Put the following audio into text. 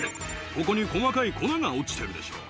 ここに細かい粉が落ちてるでしょう。